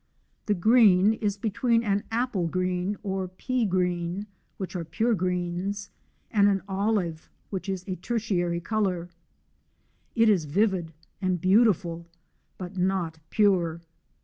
The green is between an apple green or pea green (which are pure greens) and an olive (which is a tertiary colour) : it is vivid and beautiful, but not pure.